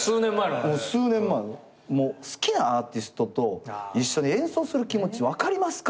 もう「好きなアーティストと一緒に演奏する気持ち分かりますか？」